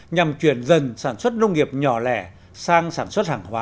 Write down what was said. nhằm chuyển dần sản xuất nông nghiệp nhỏ lẻ sang sản xuất hàng hóa